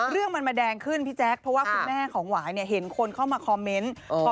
เรื่องมันมาแดงขึ้นพี่แจ๊คเพราะว่าคุณแม่ของหวายเนี่ยเห็นคนเข้ามาคอมเมนต์